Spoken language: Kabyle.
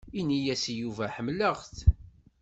Ini-as i Yuba ḥemmleɣ-t.